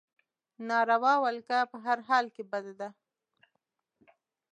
ناروا ولکه په هر حال کې بده ده.